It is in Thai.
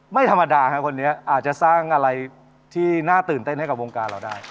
ไม่ธรรมดาครับคนนี้อาจจะสร้างอะไรที่น่าตื่นเต้นให้กับวงการเราได้